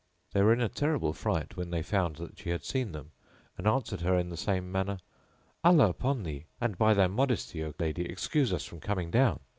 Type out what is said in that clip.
"[FN#14] They were in a terrible fright when they found that she had seen them and answered her in the same manner, "Allah upon thee[FN#15] and by thy modesty, O lady, excuse us from coming down!"